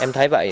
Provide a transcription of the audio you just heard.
em thấy vậy